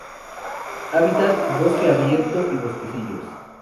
Hábitat: bosque abierto y bosquecillos.